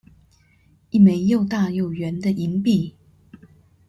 一枚又大又圓的銀幣